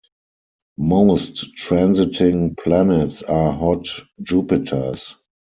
Most transiting planets are hot Jupiters.